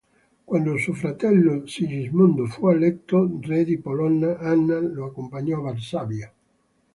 Quando suo fratello Sigismondo fu eletto re di Polonia, Anna lo accompagnò a Varsavia.